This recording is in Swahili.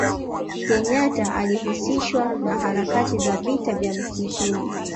kenyata alihusishwa na harakati za vita vya msituni